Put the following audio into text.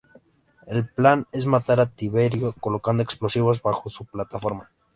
El plan es matar a Tiberio colocando explosivos bajo su plataforma.